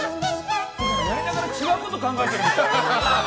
やりながら違うこと考えてるみたい。